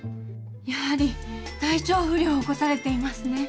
やはり体調不良を起こされていますね。